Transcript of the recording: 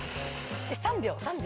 ３秒３秒。